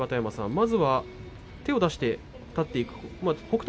まずは手を出して立っていく北勝